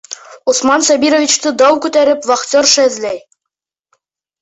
Усман Сабировичты дау күтәреп вахтерша эҙләй.